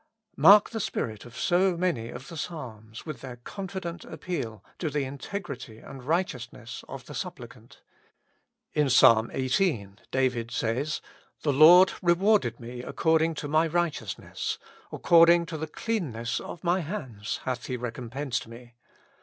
Mark the spirit of so many of the Psalms, with their confident appeal to the integrity and righteousness of the supplicant. In Ps. xviii. David says: "The Lord rewarded me according to my righteousness ; according to the cleanness of my hands hath He recompensed me.